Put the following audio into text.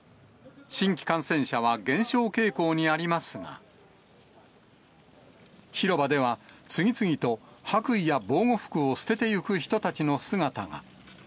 新規感染者は減少傾向にありますが、広場では、次々と白衣や防護服を捨ててゆく人たちの姿が。